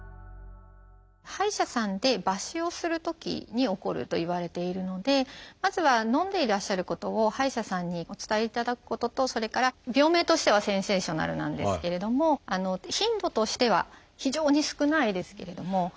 歯医者さんで抜歯をするときに起こるといわれているのでまずはのんでいらっしゃることを歯医者さんにお伝えいただくこととそれから病名としてはセンセーショナルなんですけれども頻度としては非常に少ないですけれども。